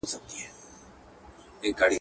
هغه خپلواک او د بګړیو وطن.